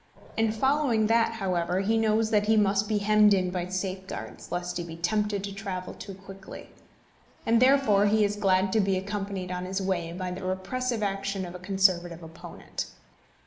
In following that, however, he knows that he must be hemmed in by safeguards, lest he be tempted to travel too quickly; and therefore he is glad to be accompanied on his way by the repressive action of a Conservative opponent.